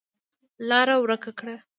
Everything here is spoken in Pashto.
لاره ورکه کړه.